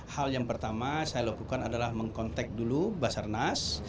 hal yang pertama saya lakukan adalah mengkontak dulu basarnas